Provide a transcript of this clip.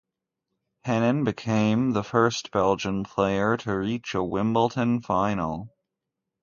Henin became the first Belgian player to reach a Wimbledon final.